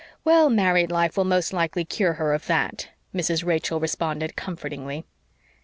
"Well, married life will most likely cure her of that," Mrs. Rachel responded comfortingly.